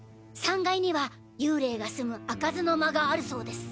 ３階には幽霊が棲む開かずの間があるそうです。